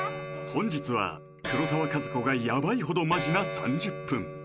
本日は黒沢かずこがやばいほどマジな３０分